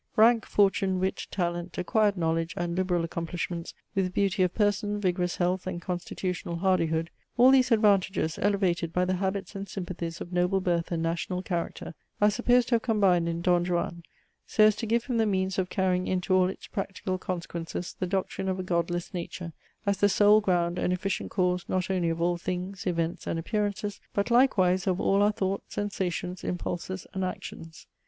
Rank, fortune, wit, talent, acquired knowledge, and liberal accomplishments, with beauty of person, vigorous health, and constitutional hardihood, all these advantages, elevated by the habits and sympathies of noble birth and national character, are supposed to have combined in Don Juan, so as to give him the means of carrying into all its practical consequences the doctrine of a godless nature, as the sole ground and efficient cause not only of all things, events, and appearances, but likewise of all our thoughts, sensations, impulses and actions.